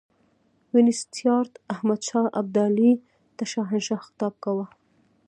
وینسیټارټ احمدشاه ابدالي ته شهنشاه خطاب کاوه.